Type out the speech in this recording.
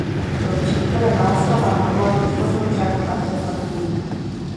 Pro přítele Václava Havla vytvořil řadu artefaktů.